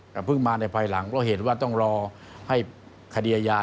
แต่เพิ่งมาในภายหลังเพราะเห็นว่าต้องรอให้คดีอาญา